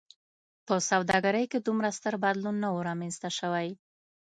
په سوداګرۍ کې دومره ستر بدلون نه و رامنځته شوی.